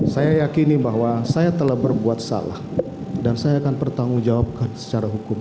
saya yakini bahwa saya telah berbuat salah dan saya akan pertanggungjawabkan secara hukum